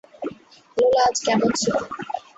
লোলা আজ কেমন ছিল?